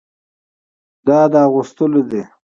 دا د اغوستلو ده.